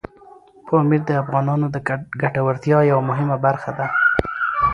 پامیر د افغانانو د ګټورتیا یوه مهمه برخه ده.